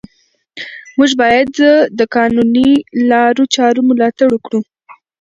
موږ باید د قانوني لارو چارو ملاتړ وکړو